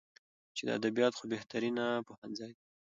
چې ادبيات خو بهترينه پوهنځۍ ده.